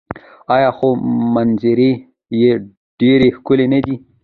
آیا خو منظرې یې ډیرې ښکلې نه دي؟